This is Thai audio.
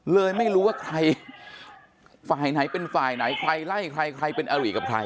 เลยไม่รู้ว่าใครฝ่ายไหนเป็นฝ่ายไหนใครไล่ใครใครเป็นอาริกับใคร